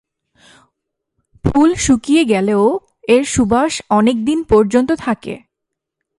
ফুল শুকিয়ে গেলেও এর সুবাস অনেক দিন পর্যন্ত থাকে।